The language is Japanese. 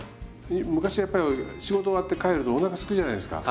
昔やっぱり仕事終わって帰るとおなかすくじゃないですか。